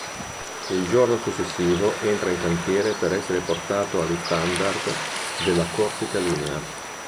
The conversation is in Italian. Il giorno successivo entra in cantiere per essere portato agli standard della Corsica Linea.